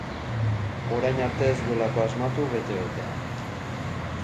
Orain arte ez duelako asmatu bete-betean.